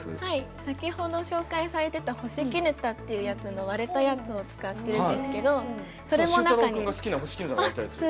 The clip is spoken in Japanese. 先ほど紹介されてたホシキヌタっていうやつの割れたやつを使ってるんですけど。